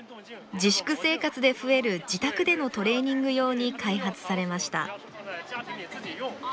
自粛生活で増える自宅でのトレーニング用に開発されました。